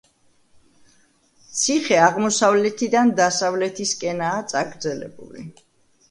ციხე აღმოსავლეთიდან დასავლეთისკენაა წაგრძელებული.